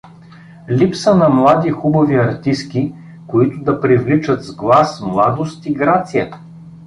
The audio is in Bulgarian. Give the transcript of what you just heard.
Липса на млади хубави артистки, които да привличат с глас, младост и грация.